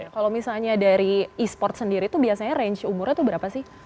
kalau misalnya dari e sport sendiri itu biasanya range umurnya itu berapa sih